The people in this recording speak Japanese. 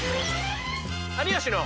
「有吉の」。